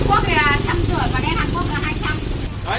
không phải của trung quốc còn của tôi